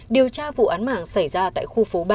điều tra vụ án mạng xảy ra tại khu phố ba